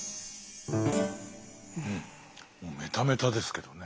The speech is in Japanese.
もうメタメタですけどね。